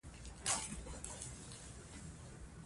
فولکلور د یوې ژبې شتمني ده.